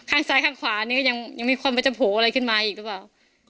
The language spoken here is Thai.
ข้างซ้ายข้างขวานี่ก็ยังมีความว่าจะโผล่อะไรขึ้นมาอีกหรือเปล่า